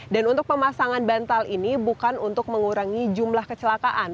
dan untuk pemasangan bantal ini bukan untuk mengurangi jumlah kecelakaan